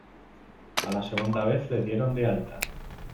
A la segunda vez, le dieron de alta.